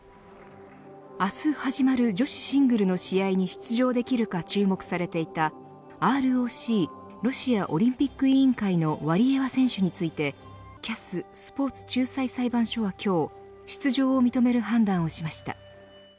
明日始まる女子シングルの試合に出場できるか注目されていたＲＯＣロシアオリンピック委員会のワリエワ選手についてＣＡＳスポーツ仲裁裁判所は今日出場を認める判断をしました。